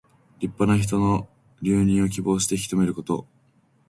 立派な人の留任を希望して引き留めること。